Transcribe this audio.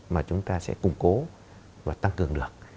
mà chúng ta sẽ củng cố và tăng cường được